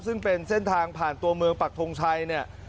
ซึ่งเป็นเส้นทางผ่านตัวเมืองปักทงชัยเนี่ย